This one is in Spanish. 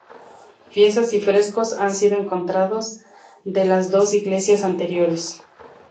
Piezas y frescos han sido encontrados de las dos iglesias anteriores.